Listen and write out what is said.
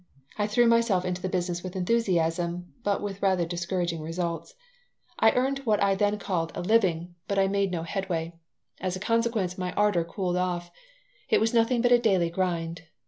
I threw myself into the business with enthusiasm, but with rather discouraging results. I earned what I then called a living, but made no headway. As a consequence, my ardor cooled off. It was nothing but a daily grind.